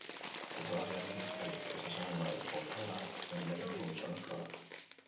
Futbolaria aldizkari ezagunaren portadan agertu den lehenengo gizonezkoa da.